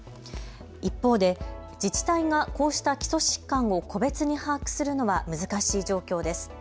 一方で自治体がこうした基礎疾患を個別に把握するのは難しい状況です。